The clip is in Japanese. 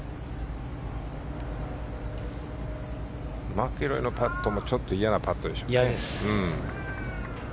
マキロイのパットもちょっと嫌なパットでしたね。